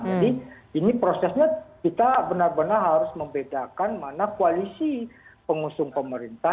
jadi ini prosesnya kita benar benar harus membedakan mana koalisi pengusung pemerintah